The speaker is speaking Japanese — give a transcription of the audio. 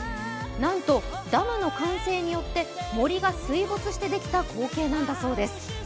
なんと、ダムの完成によって森が水没してできた光景なんだそうです。